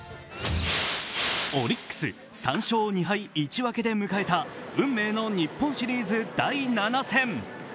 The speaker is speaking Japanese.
オリックス３勝２敗１分けで迎えた運命の日本シリーズ第７戦。